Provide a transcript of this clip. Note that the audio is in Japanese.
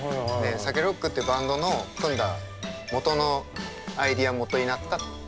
ＳＡＫＥＲＯＣＫってバンドの組んだもとのアイデアもとになった曲で。